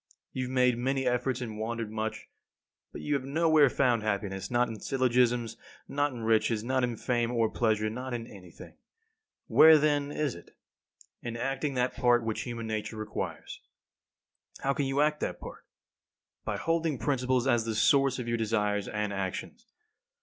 You have made many efforts and wandered much, but you have nowhere found happiness; not in syllogisms, not in riches, not in fame or pleasure, not in anything. Where, then, is it? In acting that part which human nature requires. How can you act that part? By holding principles as the source of your desires and actions.